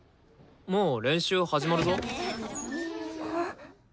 もう練習始まるぞ。